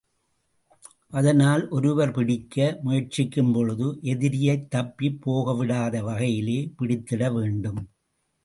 அதனால், ஒருவர் பிடிக்க முயற்சிக்கும்பொழுது, எதிரியைத் தப்பிப் போகவிடாத வகையிலே பிடித்திட வேண்டும்.